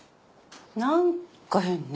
何か変ね。